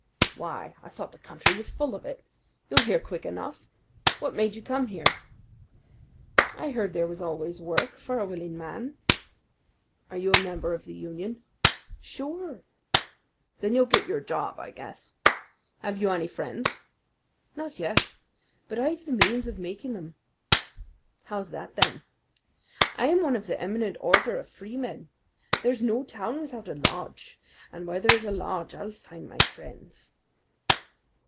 "Why, I thought the country was full of it. You'll hear quick enough. What made you come here?" "I heard there was always work for a willing man." "Are you a member of the union?" "Sure." "Then you'll get your job, I guess. Have you any friends?" "Not yet; but I have the means of making them." "How's that, then?" "I am one of the Eminent Order of Freemen. There's no town without a lodge, and where there is a lodge I'll find my friends."